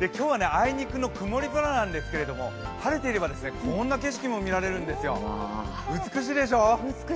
今日はあいにくの曇り空ですが、晴れていれば、こんな景色も見られるんですよ、美しいでしょう？